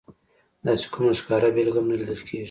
داسې کومه ښکاره بېلګه هم نه لیدل کېږي.